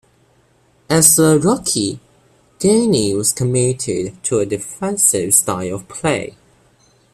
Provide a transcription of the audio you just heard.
As a rookie, Gainey was committed to a defensive style of play.